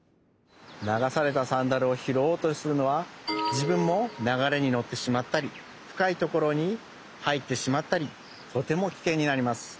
流されたサンダルをひろおうとするのはじぶんも流れにのってしまったりふかいところにはいってしまったりとてもキケンになります。